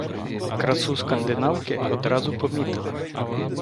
Красу скандинавки одразу помітили.